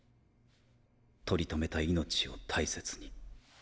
取り留めた命を大切に。